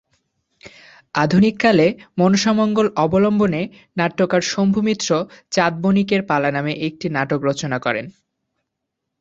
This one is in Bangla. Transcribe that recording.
আধুনিক কালে "মনসামঙ্গল" অবলম্বনে বিশিষ্ট নাট্যকার শম্ভু মিত্র "চাঁদ বণিকের পালা" নামে একটি নাটক রচনা করেন।